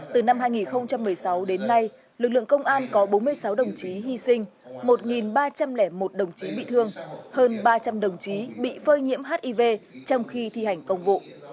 từ năm hai nghìn một mươi sáu đến nay lực lượng công an có bốn mươi sáu đồng chí hy sinh một ba trăm linh một đồng chí bị thương hơn ba trăm linh đồng chí bị phơi nhiễm hiv trong khi thi hành công vụ